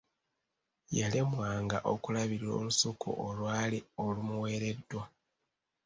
Yalemwanga okulabirira olusuku olwali olumuweereddwa.